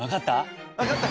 わかった？